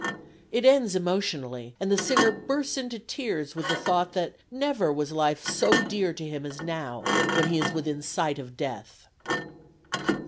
It ends emotionally, and the singer bursts into tears with the thought that never was life so dear to him as now when he is within sight of death.